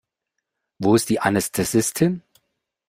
Wo ist die Anästhesistin?